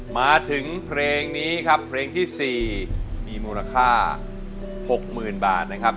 มาถึงเพลงนี้ครับเพลงที่๔มีมูลค่า๖๐๐๐บาทนะครับ